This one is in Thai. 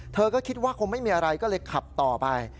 เธอก็คิดว่าคงไม่มีอะไรก็เลยขับต่อไป